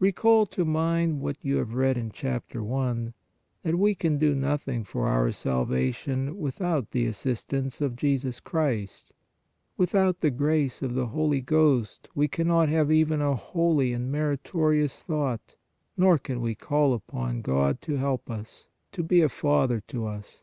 Recall to mind what you have read in Chapter I, that we can do nothing for our salvation without the assistance of Jesus Christ ; without the grace of the Holy Ghost we cannot have even a holy and meritorious thought, nor can we call upon God to help us, to be a Father to us.